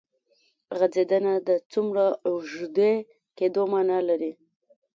غځېدنه د څومره اوږدې کېدو معنی لري.